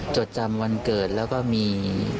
จดจำวันเกิดแล้วก็มี